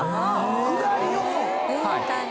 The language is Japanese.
下りを。